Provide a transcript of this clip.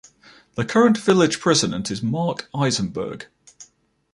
The current village president is Mark Eisenberg.